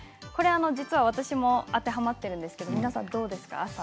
実は私も当てはまっているんですけれど、皆さんどうですか。